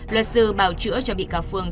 luật sư bảo chữa cho bị cáo